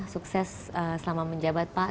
sukses selama menjabat pak